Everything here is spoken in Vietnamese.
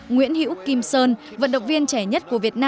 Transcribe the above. nguyễn hữu kim sơn vận động viên trẻ nhất của việt nam